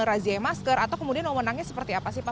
ajaib masker atau kemudian wawonannya seperti apa sih pak